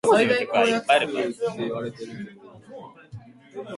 The Monk traps the Doctor in a cell.